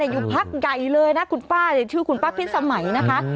อยู่พักใหญ่เลยนะคุณป้าชื่อคุณป้าพิษสมัยนะคะ